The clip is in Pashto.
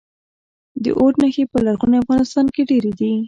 د اور نښې په لرغوني افغانستان کې ډیرې دي